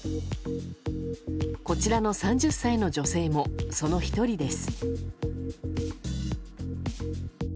こちらの３０歳の女性もその１人です。